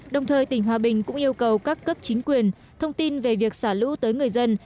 đồng thời tỉnh hòa bình cũng yêu cầu các cấp chính quyền thông tin về việc xả lũ tới người dân